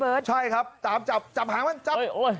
พี่อ่ะมันมั้ยอ่ะ